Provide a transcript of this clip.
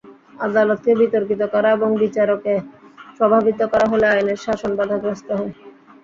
আদালতকে বিতর্কিত করা এবং বিচারকে প্রভাবিত করা হলে আইনের শাসন বাধাগ্রস্ত হয়।